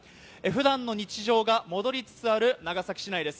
普段の日常が戻りつつある長崎市内です。